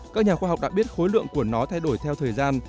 các nhà khoa học đã biết khối lượng của nó thay đổi theo thời gian